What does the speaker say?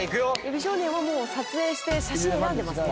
美少年はもう撮影して写真選んでますね。